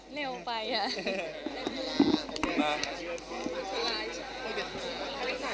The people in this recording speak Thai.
เร็วไปค่ะ